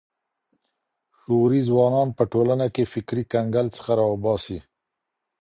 شعوري ځوانان به ټولنه له فکري کنګل څخه راوباسي.